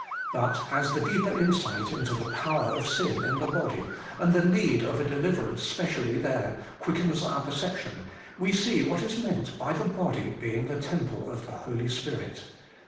But as the deeper insight into the power of sin in the body, and the need of a deliverance specially there, quickens our perception, we see what is meant by the body being the temple of the Holy Spirit.